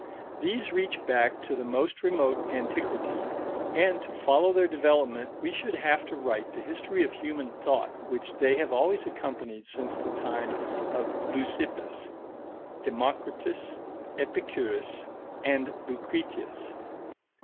These reach back to the most remote antiquity, and to follow their development we should have to write the history of human thought which they have always accompanied since the time of Leucippus, Democritus, Epicurus, and Lucretius.